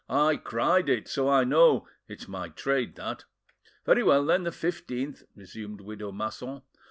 "I cried it, so I know; it's my trade, that." "Very well, then, the 15th," resumed widow Masson.